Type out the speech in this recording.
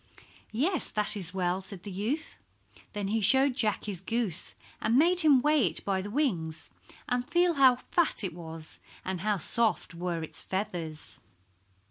"Yes, that is well," said the youth. Then he showed Jack his goose, and made him weigh it by the wings and feel how fat it was, and how soft were its feathers.